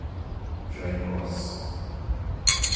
Jaicós